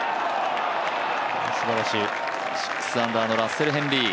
６アンダーのラッセル・ヘンリー。